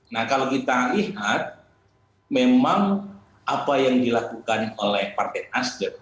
nah kalau kita lihat memang apa yang dilakukan oleh partai nasdem